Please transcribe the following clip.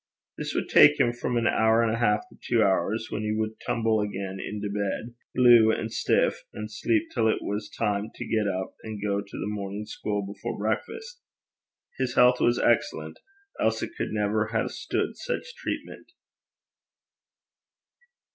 This would take him from an hour and a half to two hours, when he would tumble again into bed, blue and stiff, and sleep till it was time to get up and go to the morning school before breakfast. His health was excellent, else it could never have stood such treatment.